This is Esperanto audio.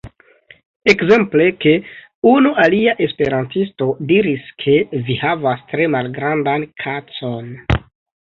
Ekzemple ke unu alia esperantisto diris ke vi havas tre malgrandan kacon.